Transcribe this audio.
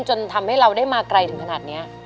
จนทำให้เราได้มาไกลถึงขนาดนี้